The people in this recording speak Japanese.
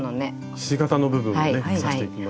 ひし形の部分をね刺していきましょう。